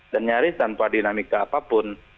dan nyaris tanpa dinamika apapun